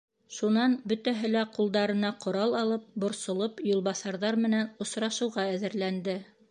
Шунан бөтәһе лә ҡулдарына ҡорал алып, борсолоп, юлбаҫарҙар менән осрашыуға әҙерләнде.